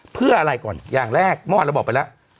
เพื่ออะไรก่อนอย่างแรกเมื่อวานเราบอกไปแล้ว